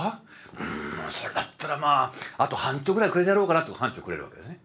うんそれだったらまああと半丁ぐらいくれてやろうかな」って半丁くれるわけですね。